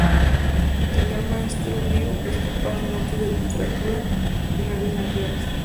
El Gran Maestro Liu es capaz en artes de literatura y en artes marciales.